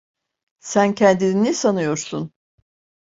Sen kendini ne sanıyorsun?